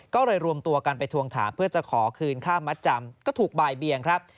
ก็เลยรวมตัวกันไปทวงถามเพื่อจะขอคืนค่ามัดจำก็ถูกบ่ายเบียงครับ